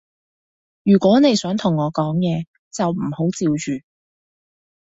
如果你想同我講嘢，就唔好嚼住